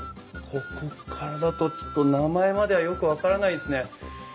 ここからだとちょっと名前まではよく分からないですね。